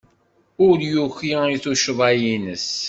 Ur yuki i tuccḍa-nnes.